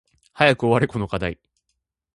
早く終われこの課題